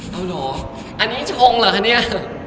เอาเหรออันนี้ชงเหรอคะเนี่ย